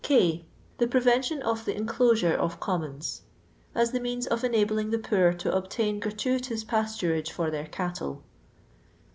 E. The prevention of the enclosure of com mons ; as the means of enabling the poor to obtain gratuitous pasturage for their cattle.